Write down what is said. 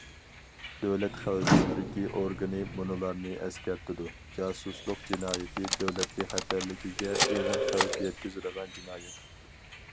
دۆلەت خەۋپسىزلىكى ئورگىنى مۇنۇلارنى ئەسكەرتىدۇ: جاسۇسلۇق جىنايىتى دۆلەت بىخەتەرلىكىگە ئېغىر خەۋپ يەتكۈزىدىغان جىنايەت.